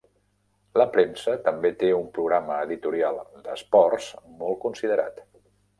La premsa també té un programa editorial d'esports molt considerat.